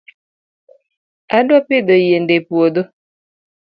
Adwa pidho yiende e puodho